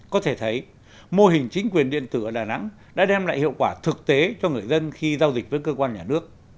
có thể thấy mô hình chính quyền điện tử ở đà nẵng đã đem lại hiệu quả thực tế cho người dân khi giao dịch với cơ quan nhà nước